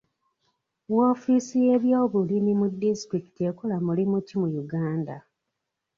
Woofiisi y'ebyobulimi mu disitulikiti ekola mulimu ki mu Uganda?